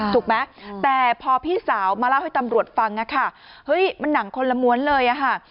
ถูกไหมแต่พอพี่สาวมาเล่าให้ตำรวจฟังอะค่ะเฮ้ยมันหนังคนละม้วนเลยอะค่ะ